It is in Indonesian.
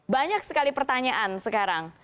banyak sekali pertanyaan sekarang